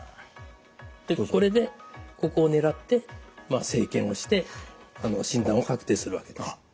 これでここを狙って生検をして診断を確定するわけです。